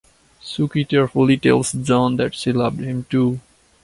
Suki tearfully tells John that she loved him too.